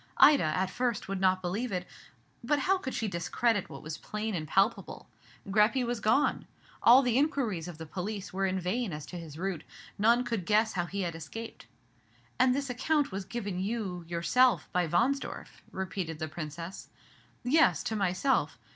Ida, at first, would not believe it; but how could she discredit what was plain and palpable? Greppi was gone. All the inquiries of the police were in vain as to his route; none could guess how he had escaped." "And this account was given you you yourself by Wahnsdorf?" repeated the Princess. "Yes, to myself.